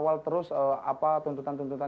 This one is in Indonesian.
kalau coba kita balik dari mas gotroin